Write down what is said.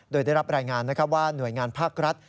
โดยได้รับรายงานว่าหน่วยงานภาครัฐ